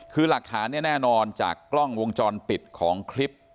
คือหลักฐานเนี่ยแน่นอนจากกล้องวงจรปิดของคลิป